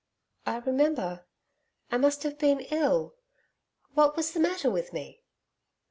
'I remember.... I must have been ill. What was the matter with me?'